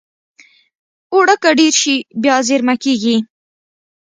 اوړه که ډېر شي، بیا زېرمه کېږي